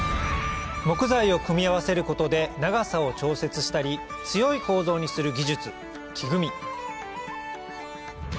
木材を組み合わせることで長さを調節したり強い構造にする技術木組み